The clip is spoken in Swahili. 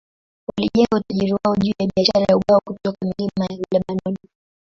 Walijenga utajiri wao juu ya biashara ya ubao kutoka milima ya Lebanoni.